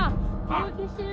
aku di sini